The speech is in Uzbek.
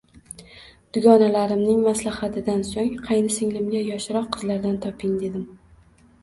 Dugonalarimning maslahatidan so`ng qaynsinglimga yoshroq qizlardan toping, dedim